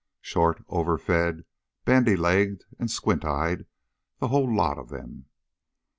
Short, overfed, bandy legged and squint eyed, the whole lot of them.